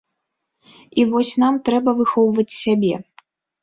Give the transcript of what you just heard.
І вось нам трэба выхоўваць сябе.